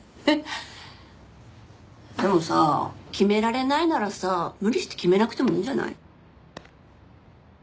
でもさ決められないならさ無理して決めなくてもいいんじゃない？